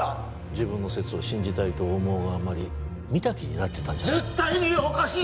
自分の説を信じたいと思うあまり見た気になってたんじゃ絶対におかしい